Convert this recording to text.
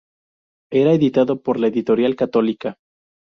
Era editado por la Editorial Católica.